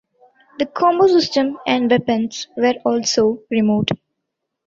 The combo system and weapons were also removed.